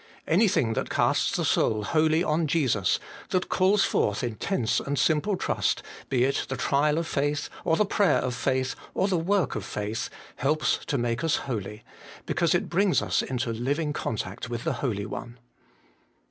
Anything that casts the soul wholly on Jesus, that calls forth intense and simple trust, be it the trial of faith, or the prayer of faith, or the work of faith, helps to make us holy, because it brings us into liuing contact with the Holy One.